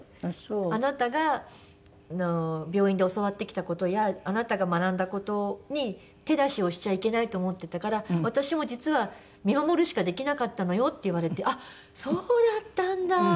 「あなたが病院で教わってきた事やあなたが学んだ事に手出しをしちゃいけないと思ってたから私も実は見守るしかできなかったのよ」って言われてあっそうだったんだ。